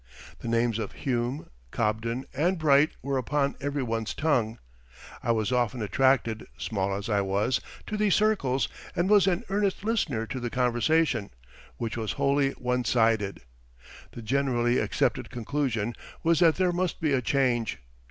The names of Hume, Cobden, and Bright were upon every one's tongue. I was often attracted, small as I was, to these circles and was an earnest listener to the conversation, which was wholly one sided. The generally accepted conclusion was that there must be a change.